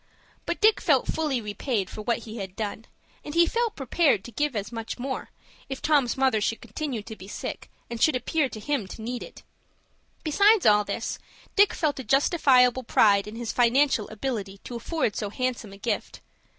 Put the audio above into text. But Dick felt fully repaid for what he had done, and he felt prepared to give as much more, if Tom's mother should continue to be sick, and should appear to him to need it. Besides all this, Dick felt a justifiable pride in his financial ability to afford so handsome a gift.